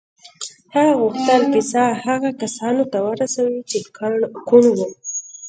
هغه غوښتل کیسه هغو کسانو ته ورسوي چې کڼ وو